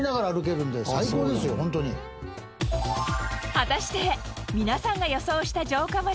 果たして皆さんが予想した城下町は